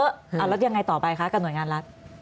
อยากจะช่วยเยอะแล้วยังไงต่อไปค่ะกับหน่วยงานรัฐ